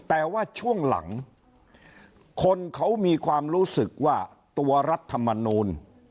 แต่ว่าช่วงหลังคนเขามีความรู้สึกว่าตัวรัฐมนูล